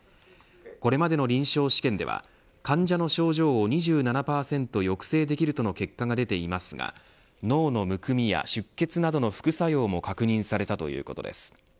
これまでの臨床試験では患者の症状を２７％抑制できるとの結果が出ていますが脳のむくみや出血などの副作用も確認されたということです。